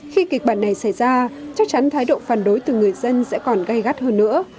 khi kịch bản này xảy ra chắc chắn thái độ phản đối từ người dân sẽ còn gây gắt hơn nữa